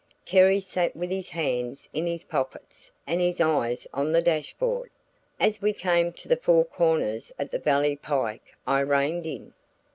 Terry sat with his hands in his pockets and his eyes on the dash board. As we came to the four corners at the valley pike I reined in.